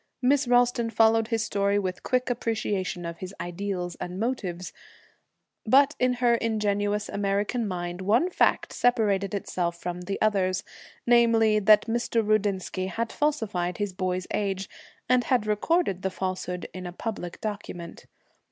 Miss Ralston followed his story with quick appreciation of his ideals and motives, but in her ingenuous American mind one fact separated itself from the others: namely, that Mr. Rudinsky had falsified his boy's age, and had recorded the falsehood in a public document.